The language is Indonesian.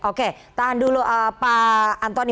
oke tahan dulu pak antoni